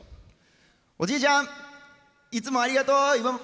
おじいちゃんいつもありがとう！